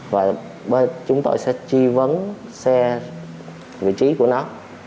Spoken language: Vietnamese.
và chúng tôi sẽ chi vấn xe vị trí của nó